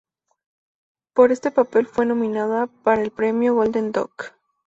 Por este papel fue nominada para el premio Golden Duck.